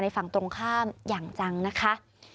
ฝั่งตรงข้ามอย่างจังนะคะ